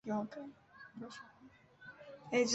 出身于日本岩手县。